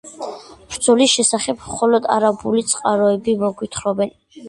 ბრძოლის შესახებ მხოლოდ არაბული წყაროები მოგვითხრობენ.